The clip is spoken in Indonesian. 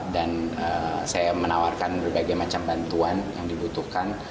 dan saya menawarkan berbagai macam bantuan yang dibutuhkan